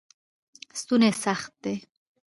ستوني سخت دی.